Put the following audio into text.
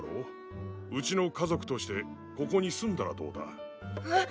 うちの家族としてここに住んだらどうだ？えっ！